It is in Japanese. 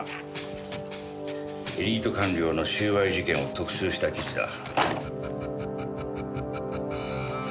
エリート官僚の収賄事件を特集した記事だ。